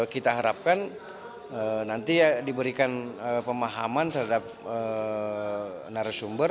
kita harapkan nanti diberikan pemahaman terhadap narasumber